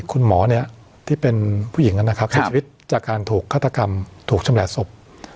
คุณหมอเนี่ยที่เป็นผู้หญิงนะครับเสียชีวิตจากการถูกฆาตกรรมถูกชำแหละศพ